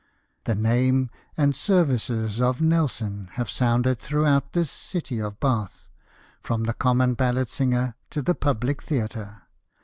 Ill The name and services of Nelson have sounded throughout this city of Bath — from the common ballad singer to the public theatre."